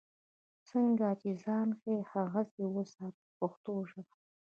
څنګه چې ځان ښیې هغسې اوسه په پښتو ژبه.